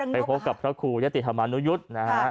ไปพบกับพระครูยะติธรรมานุยุทธ์นะฮะ